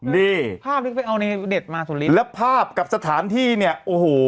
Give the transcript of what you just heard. นี่ภาพที่ไปเอาในเน็ตมาสุรินแล้วภาพกับสถานที่เนี่ยโอ้โห